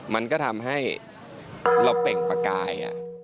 มันก็ทำให้เราเปล่งประกาย